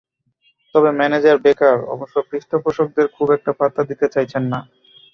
তবে, manager Baker অবশ্য পৃষ্ঠপোষকদের খুব একটা পাত্তা দিতে চাইছেন না।